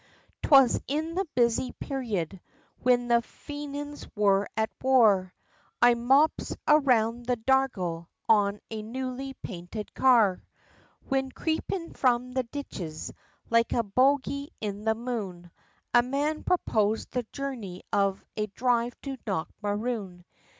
'Twas in the busy period, whin the Fenians wor at war, I mopes'd around the Dargle, on a newly painted car; Whin, creepin' from the ditches, like a bogey in the moon, A man proposed the journey of a dhrive to Knockmaroon.